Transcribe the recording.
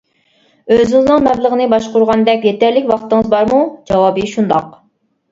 ئۆزىڭىزنىڭ مەبلىغىنى باشقۇرغۇدەك يېتەرلىك ۋاقتىڭىز بارمۇ؟ جاۋابى: شۇنداق.